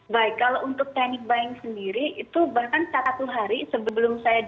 baik kalau untuk panic buying sendiri itu bahkan satu hari sebelum saya di